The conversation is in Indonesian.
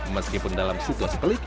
meskipun dalam suku sepelik